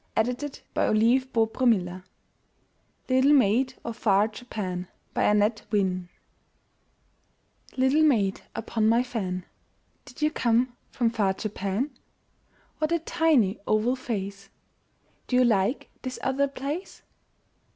67 M Y BOOK HOUSE ^ 7P" LITTLE MAID OF FAR JAPAN* Annette Wynne ^ Little maid upon my fan, Did you come from far Japan? What a tiny oval face! Do you like this other place?